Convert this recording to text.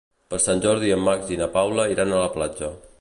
Per Sant Jordi en Max i na Paula iran a la platja.